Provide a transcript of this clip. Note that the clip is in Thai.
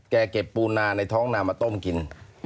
แกเก็บปูนาในท้องนามาต้มกิน